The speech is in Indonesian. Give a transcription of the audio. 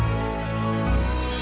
boleh dari sini gregory